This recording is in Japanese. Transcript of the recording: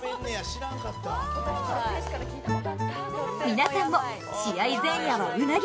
皆さんも試合前夜はうなぎで！